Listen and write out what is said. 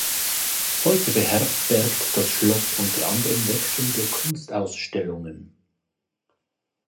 Heute beherbergt das Schloss unter anderem wechselnde Kunstausstellungen.